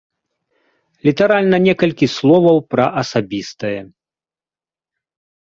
Літаральна некалькі словаў пра асабістае.